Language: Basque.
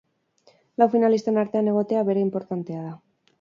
Lau finalisten artean egotea bera inportantea da.